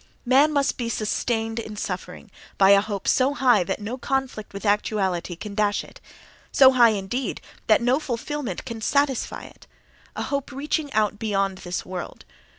Man must be sustained in suffering by a hope so high that no conflict with actuality can dash it—so high, indeed, that no fulfilment can satisfy it: a hope reaching out beyond this world.